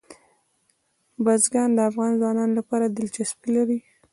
بزګان د افغان ځوانانو لپاره دلچسپي لري.